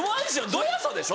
「どやさ」でしょ